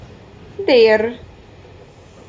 Dirr!